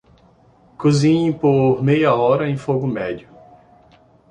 Cozinhe por meia hora em fogo médio.